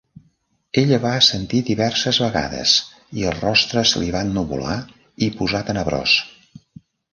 Ella va assentir diverses vegades i el rostre se li ennuvolar i posar tenebrós.